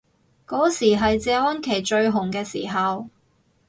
嗰時係謝安琪最紅嘅時候